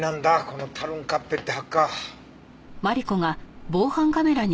このタルンカッペってハッカー。